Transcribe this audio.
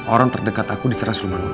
orang terdekat aku di teras rumah ngular